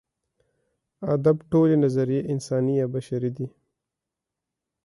ادب ټولې نظریې انساني یا بشري دي.